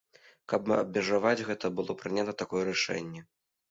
Каб абмежаваць гэта, было прынята такое рашэнне.